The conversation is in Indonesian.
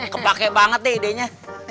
kepake banget deh idenya